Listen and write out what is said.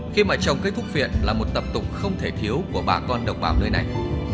khi mà trồng cây thúc viện là một tập tục không thể thiếu của bà con độc bảo nơi này